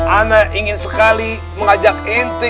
anak ingin sekali mengajak ente